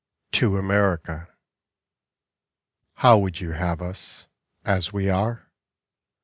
TO AMERICA How would you have us, as we are?